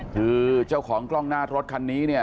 คือเจ้าของกล้องหน้ารถคันนี้เนี่ย